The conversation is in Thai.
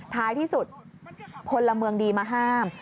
ท้ายที่สุดพลเมืองดีมาห้าม